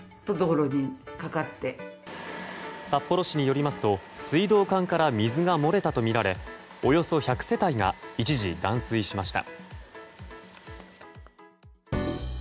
札幌市によりますと水道管から水が漏れたとみられおよそ１００世帯が一時断水しました。